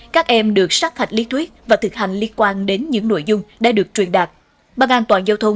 các em được sát hạch lý thuyết và thực hành liên quan đến những nội dung đã được truyền đạt